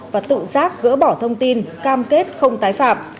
và tự giác gỡ bỏ thông tin cam kết không tái phạm